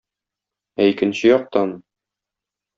Ә икенче яктан...